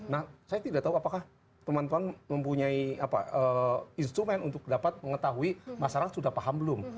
nah saya tidak tahu apakah teman teman mempunyai instrumen untuk dapat mengetahui masyarakat sudah paham belum